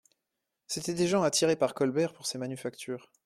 C'étaient des gens attirés par Colbert pour ses manufactures.